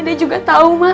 dede juga tau emak